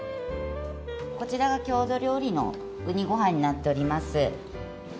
こちらが郷土料理のうにごはんになっております。